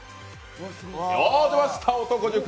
出ました、「男塾」。